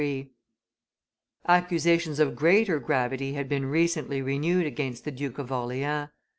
163.] Accusations of greater gravity had been recently renewed against the Duke of Orleans.